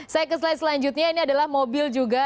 saya ke slide selanjutnya ini adalah mobil juga